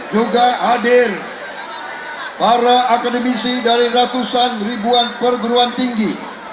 juga hadir para akademisi dari ratusan ribuan perguruan tinggi